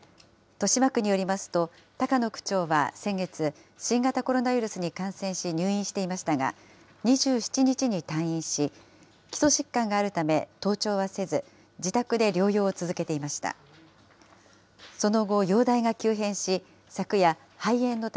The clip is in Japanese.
豊島区によりますと、高野区長は先月、新型コロナウイルスに感染し、入院していましたが、２７日に退院し、基礎疾患があるため、登庁はせず、自宅で療養を続けていました。